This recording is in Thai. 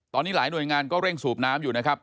ตอนนี้หลายหน่วยงานก็เร่งสูบน้ำอยู่นะครับ